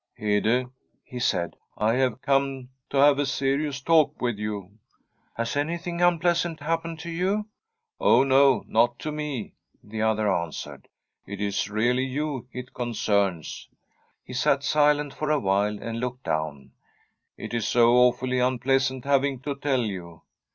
' Hede,' he said, * I have come to have a serious talk with you/ ' Has anything unpleasant happened to you ?'' Oh no, not to me,' the other answered ;* it is really you it concerns.' He sat silent for a while, and looked down. ' It is so awfully unpleasant having to tell you.'